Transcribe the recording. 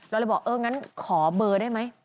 เราเลยบอกเอองั้นขอเบอร์ได้ไหม